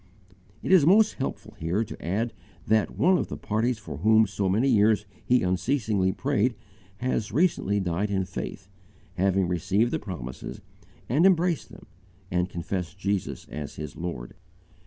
It is most helpful here to add that one of the parties for whom for so many years he unceasingly prayed has recently died in faith, having received the promises and embraced them and confessed Jesus as his Lord.